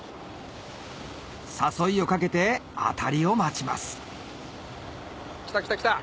誘いをかけて当たりを待ちますきたきたきた